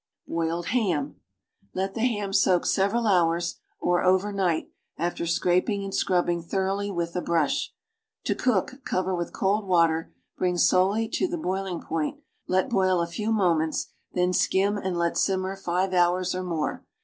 BOILED HAM Let the ham soak several hours, or overnight, after scraping and scrubbing thoroughly with a brush. To eook, cover with cold water, bring slowly to the boiling point, let boil a few moments, then skim and let simmer five hours or more.